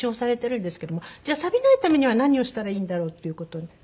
じゃあサビないためには何をしたらいいんだろうっていう事で。